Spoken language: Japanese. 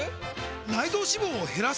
内臓脂肪を減らす！？